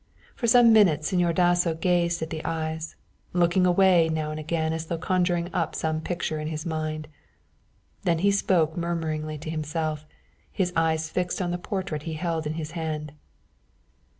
For some minutes Señor Dasso gazed at the eyes, looking away now and again as though conjuring up some picture to his mind. Then he spoke murmuringly to himself, his eyes fixed on the portrait he held in his hand.